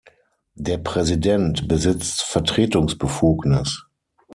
Der Präsident besitzt Vertretungsbefugnis.